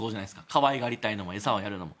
可愛がりたいのも餌をやるのも。